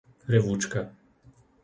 Revúčka